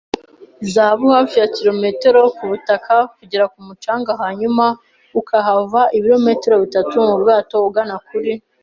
zahabu hafi ya kilometero kubutaka kugera ku mucanga, hanyuma ukahava ibirometero bitatu mubwato ugana kuri